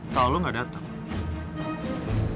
kalau lu gak datang